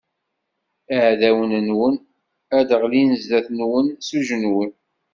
Iɛdawen-nwen ad ɣellin zdat-nwen s ujenwi.